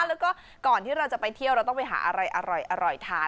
แล้วก็ก่อนที่เราจะไปเที่ยวเราต้องไปหาอะไรอร่อยทาน